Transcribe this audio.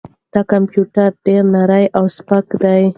دا کمپیوټر ډېر نری او سپک دی.